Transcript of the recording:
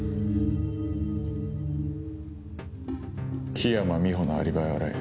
木山美保のアリバイを洗え。